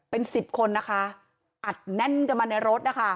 เป็นสิบคนนะคะอัดแน่นกันมาในรถนะคะ